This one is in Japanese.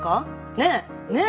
ねえ？ねえ？